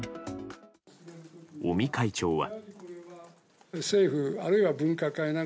尾身会長は。